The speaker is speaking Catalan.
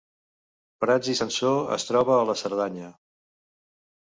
Prats i Sansor es troba a la Cerdanya